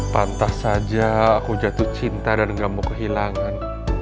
pantas saja aku jatuh cinta dan gak mau kehilangan